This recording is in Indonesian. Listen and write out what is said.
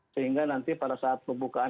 sehingga nanti pada saat pembukaan